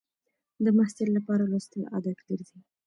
د محصل لپاره لوستل عادت ګرځي.